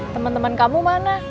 temen temen kamu mana